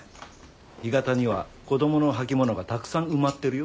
干潟には子供の履物がたくさん埋まってるよ。